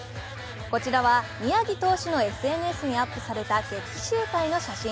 こちらは宮城投手のＳＮＳにアップした決起集会の写真。